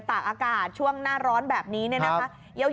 ตากอากาศช่วงหน้าร้อนแบบนี้เนี่ยนะคะ